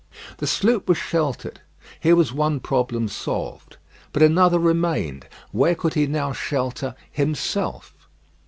The sloop was sheltered. Here was one problem solved. But another remained. Where could he now shelter himself?